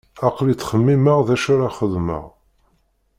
Aql-i ttxemmimeɣ d acu ara xedmeɣ.